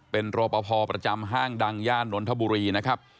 เป็นรอปภประจำห้างดังย่านนทบุรีนะครับ